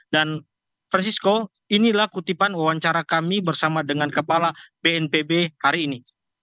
dan francisco inilah kutipan wawancara kami bersama dengan kepala bnpb hari ini